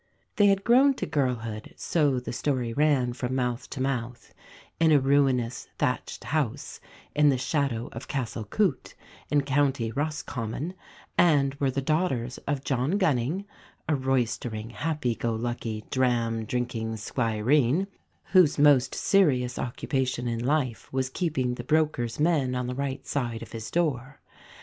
They had grown to girlhood, so the story ran from mouth to mouth, in a ruinous thatched house, in the shadow of Castle Coote, in County Roscommon, and were the daughters of John Gunning, a roystering, happy go lucky, dram drinking squireen, whose most serious occupation in life was keeping the brokers' men on the right side of his door.